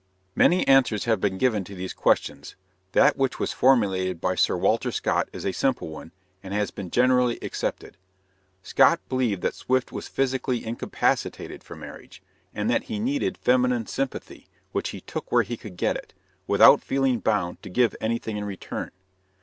Many answers have been given to these questions. That which was formulated by Sir Walter Scott is a simple one, and has been generally accepted. Scott believed that Swift was physically incapacitated for marriage, and that he needed feminine sympathy, which he took where he could get it, without feeling bound to give anything in return.